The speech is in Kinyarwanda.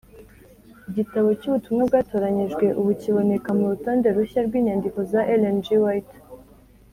Igitabo cy’Ubutumwa Bwatoranyijwe ubu kiboneka mu rutonde rushya rw’inyandiko za Ellen G. White.